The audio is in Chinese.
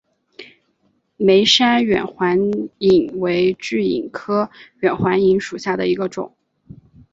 梅山远环蚓为巨蚓科远环蚓属下的一个种。